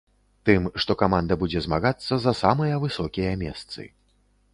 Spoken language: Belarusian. Тым, што каманда будзе змагацца за самыя высокія месцы.